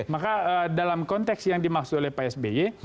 maka dalam konteks yang dimaksud oleh pak sby